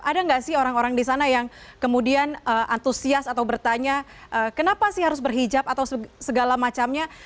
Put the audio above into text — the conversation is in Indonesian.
ada nggak sih orang orang di sana yang kemudian antusias atau bertanya kenapa sih harus berhijab atau segala macamnya